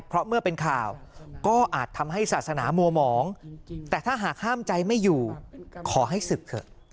เพราะเมื่อเป็นข่าวก็อาจทำให้ศาสนามัวหมองแต่ถ้าหากห้ามใจไม่อยู่ขอให้ศึกเถอะ